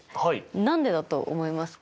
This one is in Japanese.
何でだと思いますか。